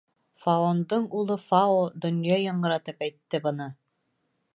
Фаондың улы Фао донъя яңғыратып әйтте быны.